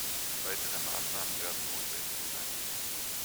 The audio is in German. Weitere Maßnahmen werden notwendig sein.